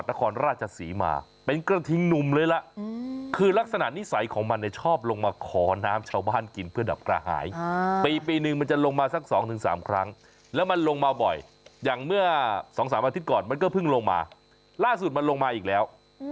แต่ตอนนี้มันไม่เปรียวแล้วมันมีครอบครัวแล้ว